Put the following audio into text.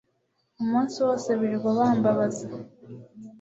Umunsi wose birirwa bambabaza